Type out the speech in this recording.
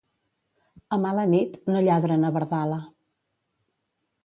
A mala nit, no lladra na Verdala.